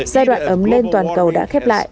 giai đoạn ấm lên toàn cầu đã khép lại